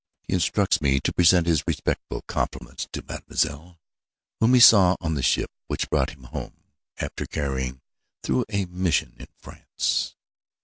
He instructs me to present his respectful compliments to Mademoiselle, whom he saw on the ship which brought him home, after carrying through a mission in France.